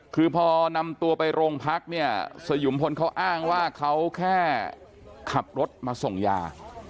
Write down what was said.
คือพอนำตัวไปโรงพักเนี่ยสยุมพลเขาอ้างว่าเขาแค่ขับรถมาส่งยา